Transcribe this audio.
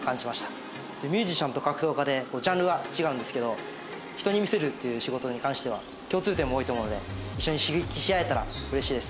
ミュージシャンと格闘家でジャンルは違うんですけど人に見せるっていう仕事に関しては共通点も多いと思うので一緒に刺激し合えたら嬉しいです。